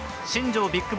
新庄